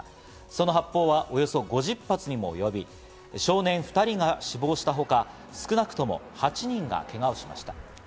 その発砲はおよそ５０発にも及び、少年２人が死亡したほか、少なくとも８人がけがをしました。